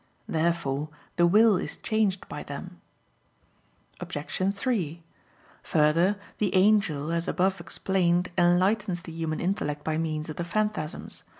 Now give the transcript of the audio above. Therefore the will is changed by them. Obj. 3: Further, the angel, as above explained, enlightens the human intellect by means of the phantasms.